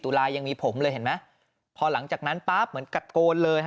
ตุลายังมีผมเลยเห็นไหมพอหลังจากนั้นปั๊บเหมือนตะโกนเลย